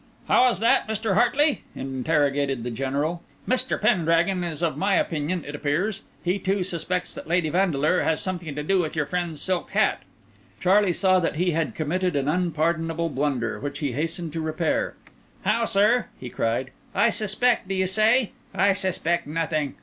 "How is that, Mr. Hartley?" interrogated the General. "Mr. Pendragon is of my opinion, it appears. He too suspects that Lady Vandeleur has something to do with your friend's silk hat." Charlie saw that he had committed an unpardonable blunder, which he hastened to repair. "How, sir?" he cried; "I suspect, do you say? I suspect nothing.